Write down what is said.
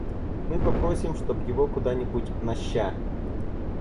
Мы попросим, чтоб его куда-нибудь на Ща!